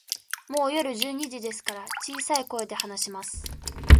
もう夜十二時ですから、小さい声で話します。